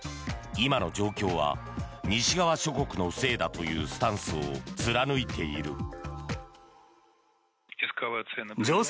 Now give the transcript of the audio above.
今の状況は西側諸国のせいだというスタンスを貫いている。